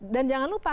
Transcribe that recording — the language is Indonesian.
dan jangan lupa